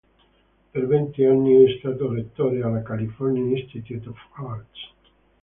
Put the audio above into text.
Per venti anni è stato rettore alla California Institute of Arts.